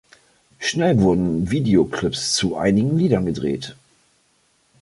Schnell wurden Videoclips zu einigen Liedern gedreht.